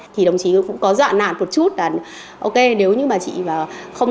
thì đồng chí cũng có dọa nản một chút là ok nếu như mà chị không